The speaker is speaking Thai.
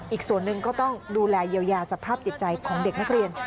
อีกส่วนหนึ่งก็ต้องดูแลเยียวยาสภาพจิตใจของเด็กนักเรียน